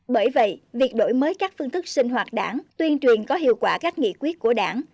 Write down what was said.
bởi vậy việc đổi mới các phương thức sinh hoạt đảng tuyên truyền có hiệu quả các nghị quyết của đảng